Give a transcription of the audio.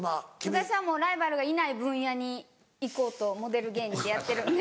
私はもうライバルがいない分野に行こうとモデル芸人でやってるんで。